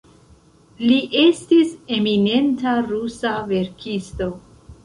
Li estis eminenta rusa verkisto.